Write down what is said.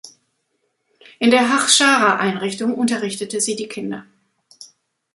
In der Hachschara-Einrichtung unterrichtete sie die Kinder.